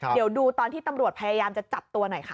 เดี๋ยวดูตอนที่ตำรวจพยายามจะจับตัวหน่อยค่ะ